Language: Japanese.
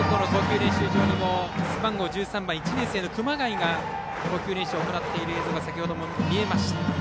練習場にも背番号１３番、１年生の熊谷が投球練習を行っている映像が先ほど見えました。